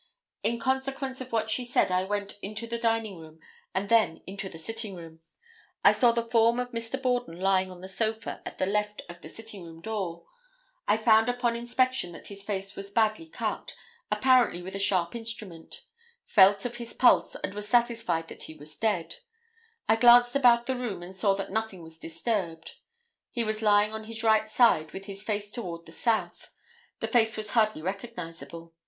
In consequence of what she said I went into the dining room and then into the sitting room; I saw the form of Mr. Borden lying on the sofa at the left of the sitting room door; I found upon inspection that his face was badly cut, apparently with a sharp instrument; felt of his pulse and was satisfied that he was dead; I glanced about the room and saw that nothing was disturbed; he was lying on his right side with his face toward the south; the face was hardly recognizable.